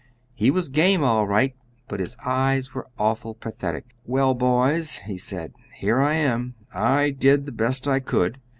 He was game all right, but his eyes were awful pathetic. 'Well, boys' said he, 'here I am. I did the best I could.'